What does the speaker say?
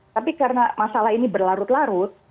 tapi karena masalah ini berlarut larut